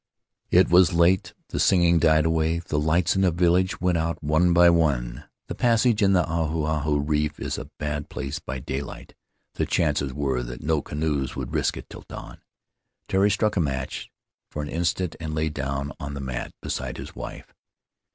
It was late. The singing died away; the lights in the village went out one by one. The passage in the Ahu Ahu reef is a bad place by daylight — the chances were that no canoes would risk it till dawn. Tari struck a match for an instant and lay down on the mat beside his wife.